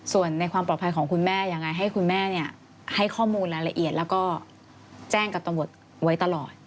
ส่วนในความปลอดภัยของคุณแม่ยังไงให้คุณแม่ให้ข้อมูลรายละเอียดแล้วก็แจ้งกับตำรวจไว้ตลอด